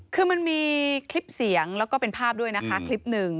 คือมันมีคลิปเสียงแล้วก็เป็นภาพด้วยนะคะคลิปหนึ่ง